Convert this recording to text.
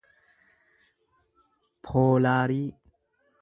poolaarii